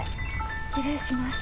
失礼します。